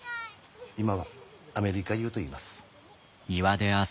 今はアメリカ世といいます。